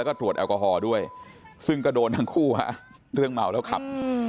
แล้วก็ตรวจแอลกอฮอล์ด้วยซึ่งก็โดนทั้งคู่ฮะเรื่องเมาแล้วขับ